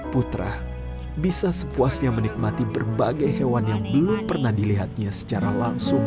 putra bisa sepuasnya menikmati berbagai hewan yang belum pernah dilihatnya secara langsung